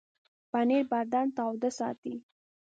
پنېر بدن تاوده ساتي.